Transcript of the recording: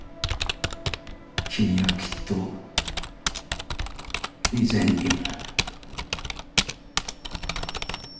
君はきっと以前にも